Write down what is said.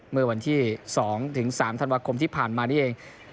เมื่อวันที่๒๓ธันวาคมที่ผ่านมานี่เอง